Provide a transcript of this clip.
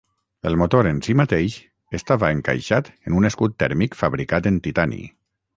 El motor en si mateix estava encaixat en un escut tèrmic fabricat en titani.